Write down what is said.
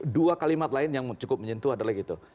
dua kalimat lain yang cukup menyentuh adalah gitu